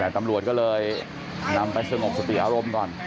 ตำรวจก็เลยนำไปสงบสติอารมณ์ก่อน